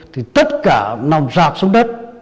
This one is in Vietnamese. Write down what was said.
thì tất cả nằm rạp xuống đất